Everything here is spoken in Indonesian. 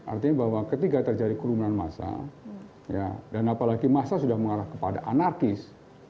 artinya bahwa ketika terjadi kerumunan masa dan apalagi masa sudah mengarah kepada anarkis